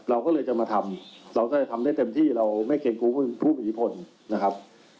เราก็เลยจะมาทำเราก็จะทำได้เต็มที่เราไม่เกรงกลัวผู้มีอิทธิพลนะครับ